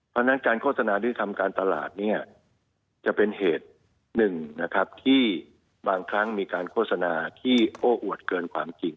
เพราะฉะนั้นการโฆษณาหรือทำการตลาดเนี่ยจะเป็นเหตุหนึ่งนะครับที่บางครั้งมีการโฆษณาที่โอ้อวดเกินความจริง